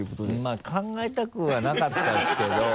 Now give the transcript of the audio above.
まぁ考えたくはなかったですけどハハハ